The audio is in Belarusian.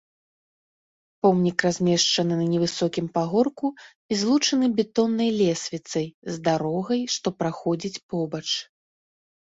Помнік размешчаны на невысокім пагорку і злучаны бетоннай лесвіцай з дарогай, што праходзіць побач.